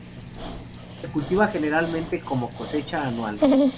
Se cultiva generalmente como cosecha anual.